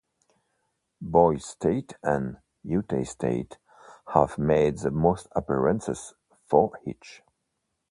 Boise State and Utah State have made the most appearances, four each.